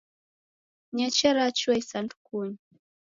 Nyeche rachua isandukunyi.